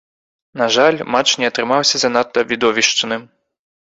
На жаль, матч не атрымаўся занадта відовішчным.